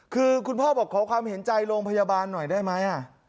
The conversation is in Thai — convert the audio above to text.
คือคุณพ่อบอกขอความเห็นใจโรงพยาบาลหน่อยได้ไหม